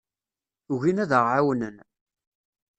Ugin ad aɣ-ɛawnen.